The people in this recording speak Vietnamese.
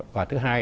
và thứ hai